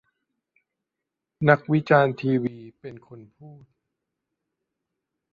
นักวิจารณ์ทีวี เป็นคนพูด